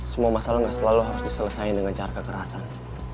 semua masalah gak selalu harus diselesai dengan cara kekerasan